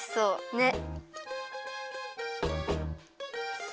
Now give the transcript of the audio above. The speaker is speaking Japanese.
ねっ。